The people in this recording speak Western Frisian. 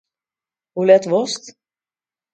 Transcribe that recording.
Hoe let wolst?